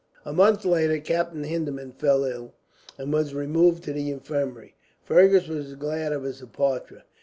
A month later Captain Hindeman fell ill, and was removed to the infirmary. Fergus was glad of his departure.